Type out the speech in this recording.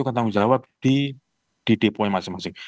tanggung jawab di deponya masing masing